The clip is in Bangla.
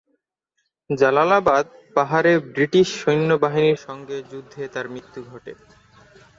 জালালাবাদ পাহাড়ে ব্রিটিশ সৈন্যবাহিনীর সংগে যুদ্ধে তার মৃত্যু ঘটে।